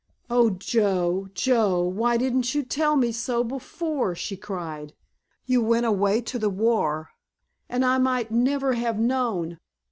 "Oh, Joe, Joe, why didn't you tell me so before!" she cried. "You went away to the war—and I might never have known.